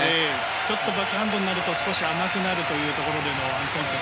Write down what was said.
バックハンドになると少し甘くなるというところでもアントンセン。